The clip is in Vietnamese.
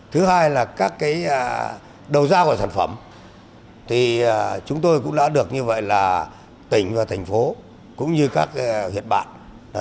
thứ hai là các cái đầu giao của sản phẩm thì chúng tôi cũng đã được như vậy là tỉnh và thành phố cũng như các huyện bạn